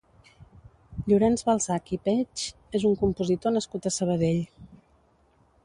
Llorenç Balsach i Peig és un compositor nascut a Sabadell.